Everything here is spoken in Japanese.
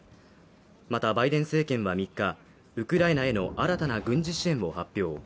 またバイデン政権は３日、ウクライナへの新たな軍事支援を発表。